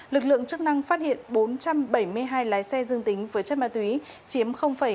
lực lượng chức năng phát hiện bốn trăm bảy mươi hai lái xe dương tính với chất ma túy chiếm bảy mươi